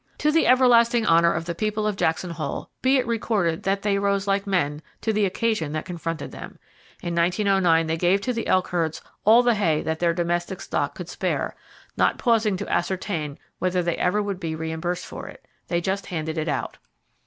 To the everlasting honor of the people of Jackson Hole, be it recorded that they rose like Men to the occasion that confronted them. In 1909 they gave to the elk herds all the hay that their domestic stock could spare, not pausing to ascertain whether they ever would be reimbursed for it. They just handed it out!